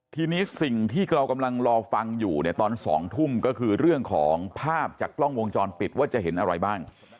ทีนี้สิ่งที่เรากำลังรอฟังอยู่เนี่ยตอน๒ทุ่มก็คือเรื่องของภาพจากกล้องวงจรปิดว่าจะเห็นอะไรบ้าง